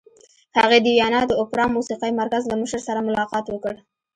هغې د ویانا د اوپرا موسیقۍ مرکز له مشر سره ملاقات وکړ